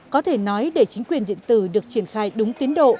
có thể nói để chính quyền điện tử được triển khai đúng tiến độ